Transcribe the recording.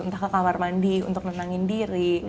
entah ke kamar mandi untuk nenangin diri